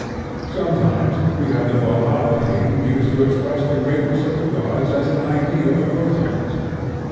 Sometimes we have the Valhalla theme used to express the greatness of the gods as an idea of Wotan's.